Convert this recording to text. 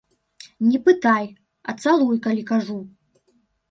Не пытай, а цалуй, калі кажу!